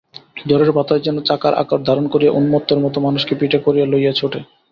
ঝড়ের বাতাস যেন চাকার আকার ধারণ করিয়া উন্মত্তের মতো মানুষকে পিঠে করিয়া লইয়া ছোটে।